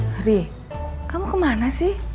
riri kamu kemana sih